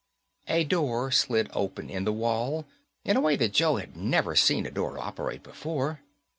A door slid open in the wall in a way that Joe had never seen a door operate before.